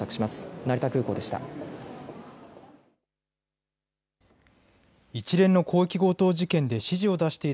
成田空港でした。